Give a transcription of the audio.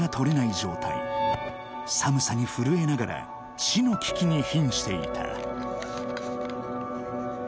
状態寒さに震えながら死の危機にひんしていた